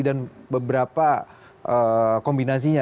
dan beberapa kombinasinya